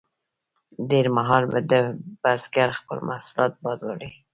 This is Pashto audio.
ډیر مهال به د بزګر خپل محصولات باد وړل.